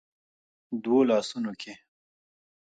دوو لاسونو کې